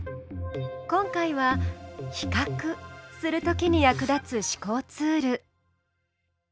今回は比較するときに役立つ思考ツール。